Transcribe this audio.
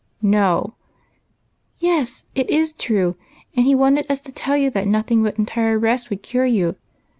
" No !"" Yes, it is true, and he wanted us to tell you that nothing but entire rest would cure you.